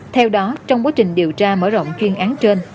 theo đó trong quá trình điều tra mở rộng chuyên án trên